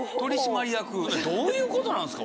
どういうことなんですか？